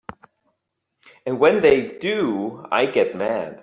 And when they do I get mad.